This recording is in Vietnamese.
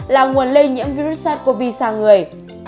là nguồn lây nhiễm virus sars cov sang người